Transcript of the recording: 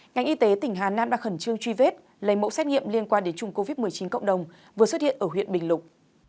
ngành y tế tỉnh hà nam đã khẩn trương truy vết lấy mẫu xét nghiệm liên quan đến trung covid một mươi chín cộng đồng vừa xuất hiện ở huyện bình lục